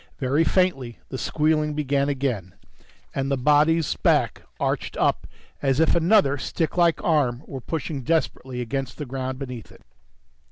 Very faintly, the squealing began again, and the body's back arched up as if another sticklike arm were pushing desperately against the ground beneath it.